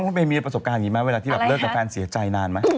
เนขนมจะมีประสบการณ์แบบนี้แม้เวลาที่บอลเท่าแฟนเศียดใจนานมั้ย